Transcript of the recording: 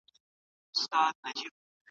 تاسو د تېرو وختونو سیاسي تاریخ ولولئ.